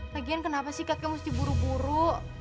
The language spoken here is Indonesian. lagian kenapa sih kakek mesti buru buru